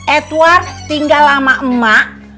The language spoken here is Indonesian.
edward tinggal sama emak